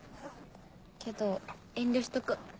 けど遠慮しとく。